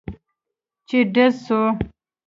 چې ډز سو.